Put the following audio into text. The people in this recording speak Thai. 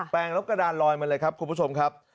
แปลงแล้วกระดานลอยมาเลยครับคุณผู้ชมครับ